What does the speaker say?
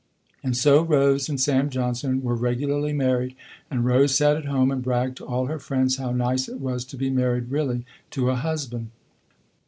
And so Rose and Sam Johnson were regularly married, and Rose sat at home and bragged to all her friends how nice it was to be married really to a husband.